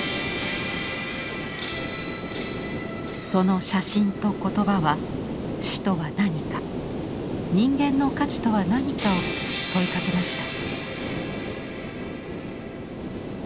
その写真と言葉は死とは何か人間の価値とは何かを問いかけました。